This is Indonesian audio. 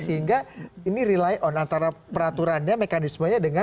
sehingga ini rely on antara peraturannya mekanismenya dengan